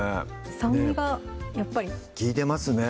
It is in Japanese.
酸味がやっぱり利いてますね